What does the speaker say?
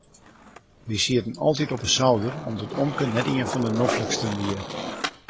We sieten altyd op de souder omdat omke net ien fan de nofliksten wie.